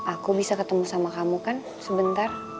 aku bisa ketemu sama kamu kan sebentar